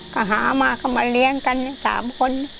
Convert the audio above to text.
ก็หามาก็มาเลี้ยงกันทั้ง๓คน